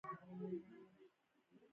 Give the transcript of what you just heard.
زه به سبا لاړ شم – دا راتلونکی وخت دی.